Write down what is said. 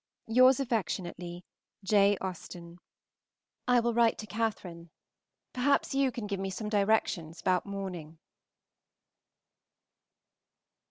Yours affectionately, J. AUSTEN. I will write to Catherine. Perhaps you can give me some directions about mourning.